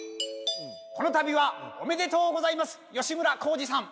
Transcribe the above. このたびはおめでとうございます吉村耕治さん。